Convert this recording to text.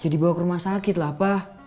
jadi bawa ke rumah sakit lah pa